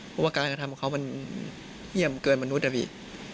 เพราะว่าการกระทำของเขามันเยี่ยมเกินมนุษย์อะพี่